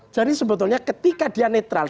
jadi sebetulnya ketika dia netral